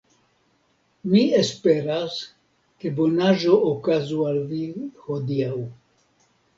Mi esperas ke bonaĵo okazu al vi hodiaŭ.